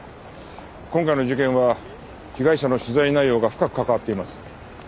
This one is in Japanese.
今回の事件は被害者の取材内容が深く関わっています。